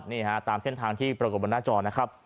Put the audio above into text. นี่ฮะตามเส้นทางที่ปรากฏบนหน้าจอนะครับ